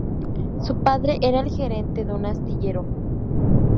Su padre era el gerente de un astillero.